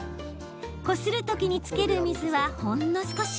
こするときにつける水はほんの少し。